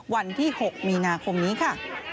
วันที่๖มีนาคมนี้ค่ะ